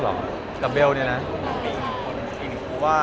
อ๋อเหรอกับเบลเนี่ยนะ